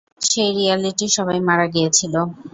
সেই রিয়েলিটির সবাই মারা গিয়েছিল।